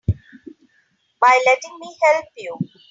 By letting me help you.